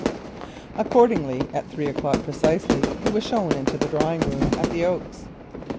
Accordingly, at three o'clock precisely, he was shown into the drawing room at the Oaks.